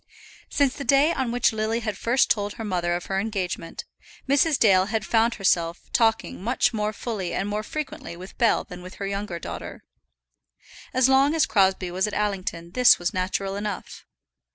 Since the day on which Lily had first told her mother of her engagement, Mrs. Dale had found herself talking much more fully and more frequently with Bell than with her younger daughter. As long as Crosbie was at Allington this was natural enough.